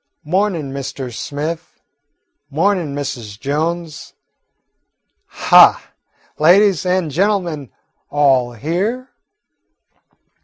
"Mornin', Mr. Smith, mornin', Mrs. Jones. Ha, ladies and gentlemen, all here?"